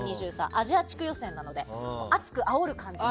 アジア地区予選なので熱くあおる感じで。